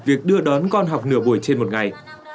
việc đưa đón con học nửa buổi trên một ngày